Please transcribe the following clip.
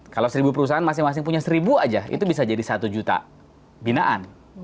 kalau seribu perusahaan masing masing punya seribu aja itu bisa jadi satu juta binaan